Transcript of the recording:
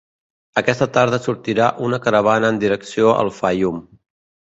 "Aquesta tarda sortirà una caravana en direcció al Faium."